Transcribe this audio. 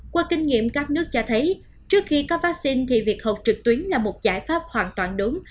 qua kinh nghiệm các nước cho thấy trước khi có vaccine thì việc học trực tuyến là một giải pháp hoàn toàn đúng